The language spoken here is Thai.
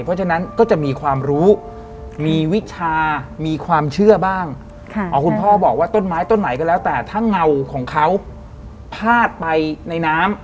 เพราะฉะนั้นก็จะมีความรู้มีวิชามีความเชื่อบ้างอ๋อคุณพ่อบอกว่าต้นไม้ต้นไหนก็แล้วแต่ถ้าเงาของเขาพลาดไปในน้ำ